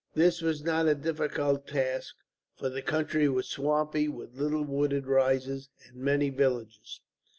This was not a difficult task, for the country was swampy, with little wooded rises and many villages.